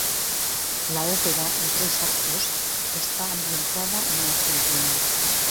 La ópera, en tres actos, está ambientada en Argentina.